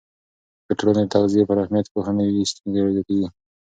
که ټولنه د تغذیې پر اهمیت پوهه نه وي، ستونزې زیاتېږي.